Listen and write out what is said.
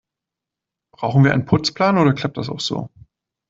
Brauchen wir einen Putzplan, oder klappt das auch so?